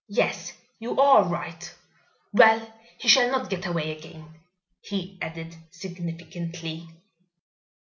"Yes, you are right. Well, he shall not get away again!" he added, significantly.